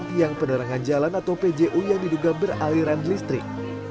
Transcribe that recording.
tiang penerangan jalan atau pju yang diduga beraliran listrik